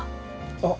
あっ。